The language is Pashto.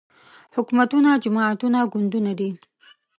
حکومتونه جماعتونه ګوندونه دي